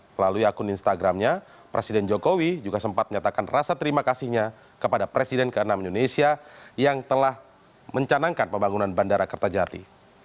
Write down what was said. melalui akun instagramnya presiden jokowi juga sempat menyatakan rasa terima kasihnya kepada presiden ke enam indonesia yang telah mencanangkan pembangunan bandara kertajati